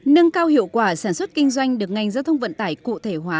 nâng cao hiệu quả sản xuất kinh doanh được ngành giao thông vận tải cụ thể hóa